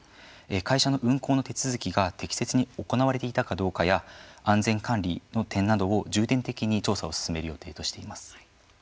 会社の運航の手続きが適切に行われていたかどうかや安全管理の点などを重点的に調査を進める予定としています。